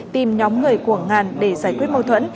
tìm nhóm người của ngàn để giải quyết mâu thuẫn